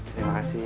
terima kasih bu